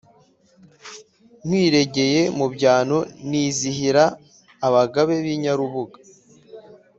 Nywiregeye mu byano nizihira abagabe b’Inyarubuga,